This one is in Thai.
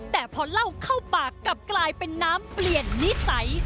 แต่พอเล่าเข้าปากกลับกลายเป็นน้ำเปลี่ยนนิสัย